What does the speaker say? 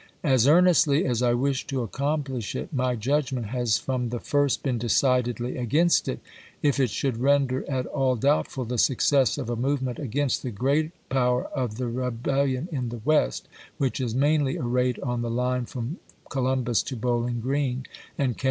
As earnestly as I wish to accomplish it, my judgment has from the first been decidedly against it, if it should render at all doubtful the success of a movement against the great power of the rebel lion in the West, which is mainly arrayed on the lSi*;?. line from Columbus to Bowling Green, and can ''V?'